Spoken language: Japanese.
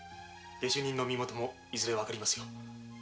下手人の身元もいずれ分かりますよ。